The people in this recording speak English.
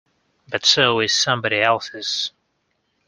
But so is somebody else's.